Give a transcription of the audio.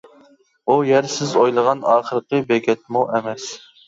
ئۇ يەر سىز ئويلىغان ئاخىرقى بېكەتمۇ ئەمەس.